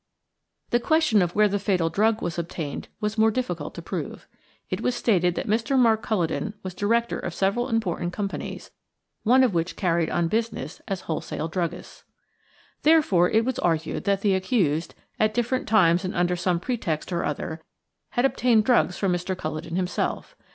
The question of where the fatal drug was obtained was more difficult to prove. It was stated that Mr. Mark Culledon was director of several important companies, one of which carried on business as wholesale druggists. Therefore it was argued that the accused, at different times and under some pretext or other, had obtained drugs from Mr. Culledon himself.